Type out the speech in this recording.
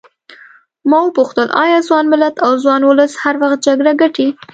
ما وپوښتل ایا ځوان ملت او ځوان ولس هر وخت جګړه ګټي.